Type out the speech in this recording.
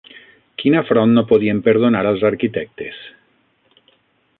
Quin afront no podien perdonar els arquitectes?